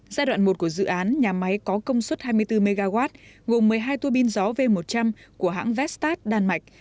giai đoạn một của dự án nhà máy có công suất hai mươi bốn mw gồm một mươi hai tua pin gió v một trăm linh của hãng vestad đan mạch